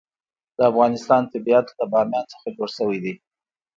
د افغانستان طبیعت له بامیان څخه جوړ شوی دی.